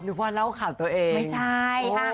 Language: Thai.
พ่อเล่าข่าวตัวเองไม่ใช่